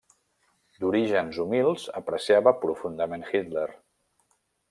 D'orígens humils, apreciava profundament Hitler.